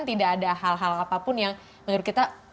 tidak ada hal hal apapun yang menurut kita